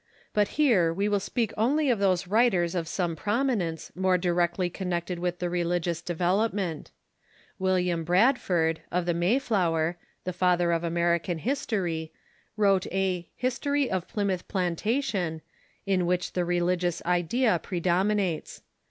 But here we will speak only of those Reiiaious writers of some prominence more directly con Literature in nected with the religious development. William l«ew England Bradford, of the Mayfloioer, the father of Ameri can history, wrote a " History of Plymouth Plantation," in which the religious idea predominates.